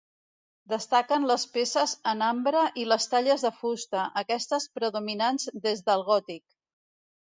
Destaquen les peces en ambre i les talles de fusta, aquestes predominants des del gòtic.